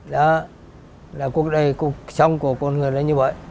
đó là cuộc đời cuộc sống của con người là như vậy